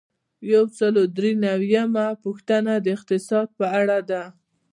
یو سل او درې نوي یمه پوښتنه د اقتصاد په اړه ده.